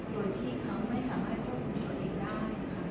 โดยที่เขาไม่สามารถควบคุมตัวเองได้